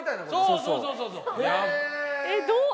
そうそうそうそうそう！